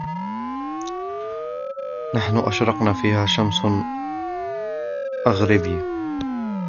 نحن أشرقنا فيا شمس أغربي